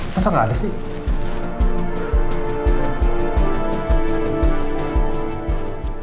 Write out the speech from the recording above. masa nggak ada sih